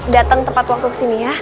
datang tepat waktu kesini ya